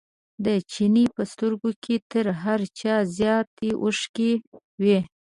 د چیني په سترګو کې تر هر چا زیات اوښکې وې.